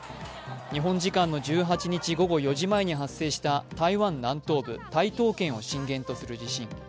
日本時間の１８日午後４時前に発生した台湾南東部・台東県を震源とする地震。